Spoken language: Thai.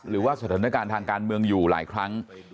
หรือว่าสถานการณ์ทางการเมืองอยู่หลายครั้ง